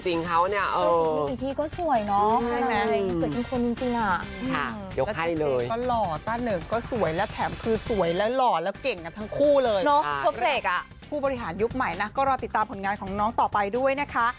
จริงเป็นโมเดลค่ะจริงก็เป็นเล่นเอ็มวีด้วยเล่นหนังเล่นซีวีด้วย